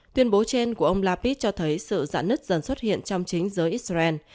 tuyên bố trên của ông lapid cho thấy sự dạ nứt dần xuất hiện trong chính giới israel